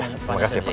ya terima kasih pak